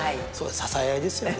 支え合いですよね。